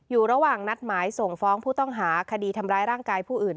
อยู่ระหว่างนัดหมายส่งฟ้องผู้ต้องหาคดีทำร้ายร่างกายผู้อื่น